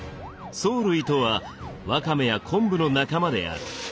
藻類とはわかめや昆布の仲間である。